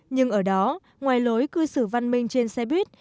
nhưng ở đó ngoài lối cư xử văn minh trên xe buýt